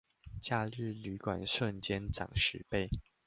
假日旅館瞬間漲十倍